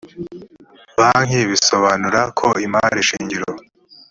banki bisobanura ko imari shingiro